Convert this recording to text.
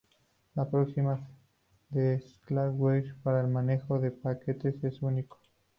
La aproximación de Slackware para el manejo de paquetes es único.